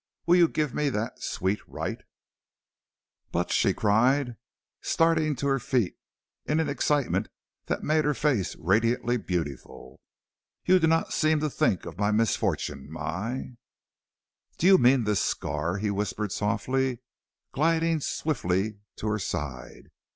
Will you give me that sweet right?" "But," she cried, starting to her feet in an excitement that made her face radiantly beautiful, "you do not seem to think of my misfortune, my " "Do you mean this scar?" he whispered softly, gliding swiftly to her side.